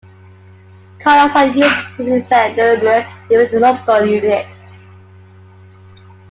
Colors are used to represent different geological units.